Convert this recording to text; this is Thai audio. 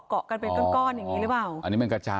เป็นก้อนอย่างนี้หรือเปล่า